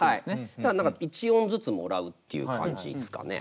そしたら何か１音ずつもらうっていう感じですかね。